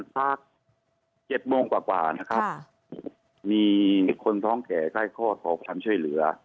ภาคเจ็ดโมงกว่ากว่านะครับค่ะมีคนท้องแข่ไข้ข้อท้องช่วยเหลือ